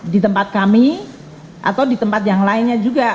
di tempat kami atau di tempat yang lainnya juga